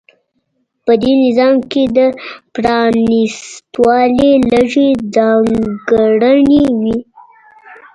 په دې نظام کې د پرانېستوالي لږې ځانګړنې وې.